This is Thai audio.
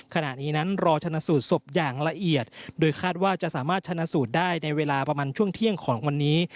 ขณะนี้นั้นรอชนะสูตรศพอย่างละเอียดโดยคาดว่าจะสามารถชนะสูตรได้ในเวลาประมาณช่วงเที่ยงของวันนี้